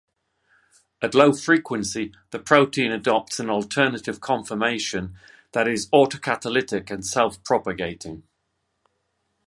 At low frequency the protein adopts an alternative conformation that is auto-catalytic and self-propagating.